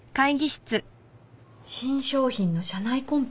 新商品の社内コンペ。